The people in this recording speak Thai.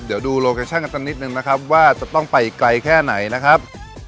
เดี๋ยวดูนิดหนึ่งนะครับว่าจะต้องไปไกลแค่ไหนนะครับ